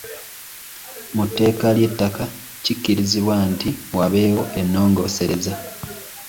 Mu tteeka ly’ettaka, kikkirizibwe nti wabeewo ennongoosereza.